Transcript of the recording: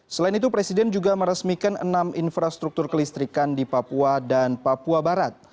selain itu presiden juga meresmikan enam infrastruktur kelistrikan di papua dan papua barat